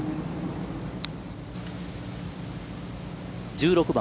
１６番。